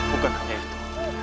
bukan hanya itu